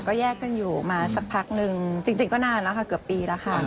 ก็แยกกันอยู่มาสักพักนึงจริงก็นานแล้วค่ะเกือบปีแล้วค่ะ